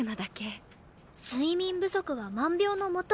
睡眠不足は万病の元。